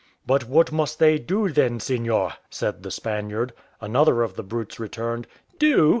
"But what must they do then, seignior?" said the Spaniard. Another of the brutes returned, "Do?